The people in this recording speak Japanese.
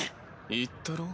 言ったろ。